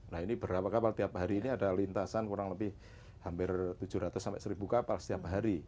nah ini berapa kapal tiap hari ini ada lintasan kurang lebih hampir tujuh ratus sampai seribu kapal setiap hari